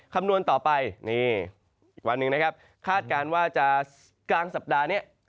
คำนวณต่อไปนี่อีกวันหนึ่งนะครับคาดการณ์ว่าจะกลางสัปดาห์นี้